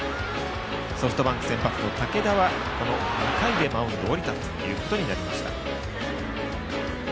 ソフトバンク先発の武田は２回でマウンドを降りたということになりました。